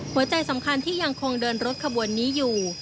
หัวใจสำคัญที่ยังคงเดินรถขบวนนี้อยู่